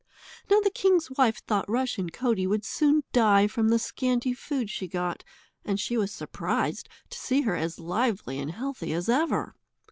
Now the king's wife thought Rushen Coatie would soon die from the scanty food she got, and she was surprised to see her as lively and healthy as ever.